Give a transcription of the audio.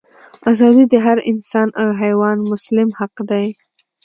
ازادي د هر انسان او حیوان مسلم حق دی.